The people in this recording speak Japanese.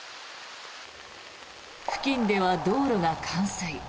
付近では道路が冠水。